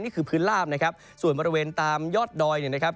พื้นลาบนะครับส่วนบริเวณตามยอดดอยเนี่ยนะครับ